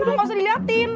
yaudah gausah diliatin